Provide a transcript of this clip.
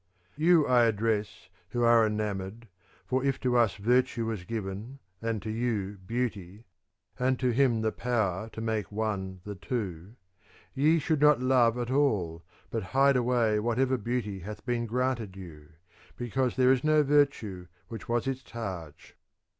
You I address who are enamoured, For if to us virtue was given, and to you beauty, and to him power to make one the two, ye should not love at all, but hide away whatever beauty hath been granted you because there is no virtue, which was its targe.